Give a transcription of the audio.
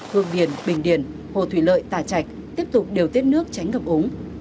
hương điền bình điền hồ thủy lợi tà chạch tiếp tục điều tiết nước tránh ngập ống